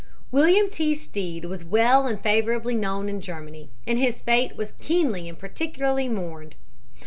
William T. Stead was well and favorably known in Germany, and his fate was keenly and particularly mourned.